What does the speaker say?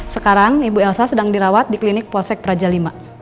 sekarang ibu elsa sedang dirawat di klinik polsek prajalima